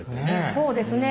そうですね。